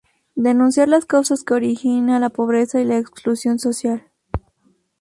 Denunciar las causas que originan la pobreza y la exclusión social.